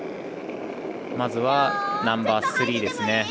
まずは、ナンバースリーですね。